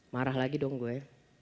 marah lagi dong gue